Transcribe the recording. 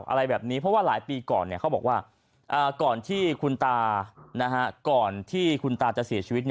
อะไรแบบนี้เพราะว่าหลายปีก่อนเขาบอกว่าก่อนที่คุณตาก่อนที่คุณตาจะเสียชีวิต